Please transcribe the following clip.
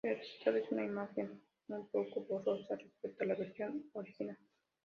El resultado es una imagen un poco borrosa respecto a la versión original.